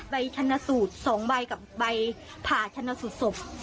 ใบชนสูตรสองใบกับใบผ่าชนสูตรศพ